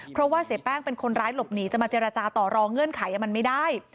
เพราะว่าเสียแป้งเป็นคนร้ายหลบหนีจะมาเจรจาต่อรองเงื่อนไขมันไม่ได้